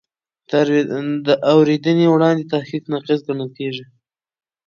د اورېدنې وړاندې تحقیق ناقص ګڼل کېږي.